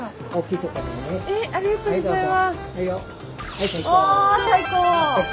ありがとうございます。